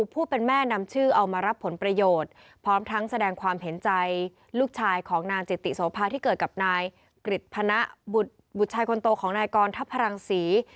พร้อมทั้งแสดงความเห็นใจลูกชายของนางจิตติโสภาที่เกิดกับนายกฤทธนบุตรชายคนโตของนายกรทัพพลังศรี